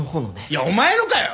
いやお前のかよ！